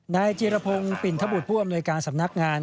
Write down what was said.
นายจีรพงศ์ปิ่นทบุตรผู้อำนวยการสำนักงาน